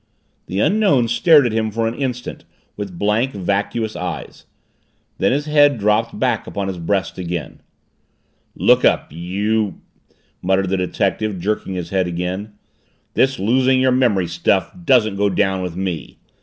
The Unknown stared at him for an instant with blank, vacuous eyes. Then his head dropped back upon his breast again. "Look up, you " muttered the detective, jerking his head again. "This losing your memory stuff doesn't go down with me!"